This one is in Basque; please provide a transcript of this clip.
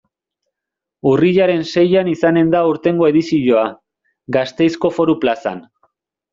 Urriaren seian izanen da aurtengo edizioa, Gasteizko Foru Plazan.